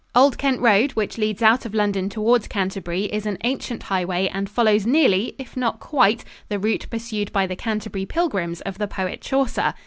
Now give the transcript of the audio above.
Old Kent road, which leads out of London towards Canterbury, is an ancient highway, and follows nearly, if not quite, the route pursued by the Canterbury pilgrims of the poet Chaucer.